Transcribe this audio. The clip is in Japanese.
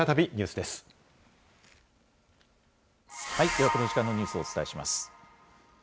では、この時間のニュースをお伝えします。